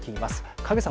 影さん